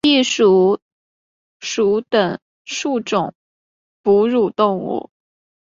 鼢鼠属等数种哺乳动物。